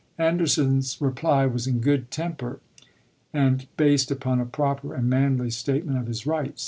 Anderson's reply was in good temper, and based upon a proper and manly state ment of his rights.